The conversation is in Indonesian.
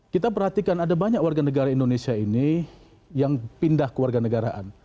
kita perhatikan ada banyak warga negara indonesia ini yang pindah ke warga negaraan